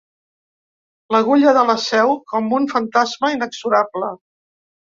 L'agulla de la Seu, com un fantasma inexorable.